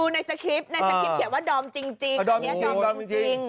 ในสกริปเขียนว่าดอมจริงอันนี้ดอมจริง